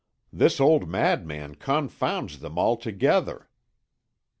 This old madman confounds them all together.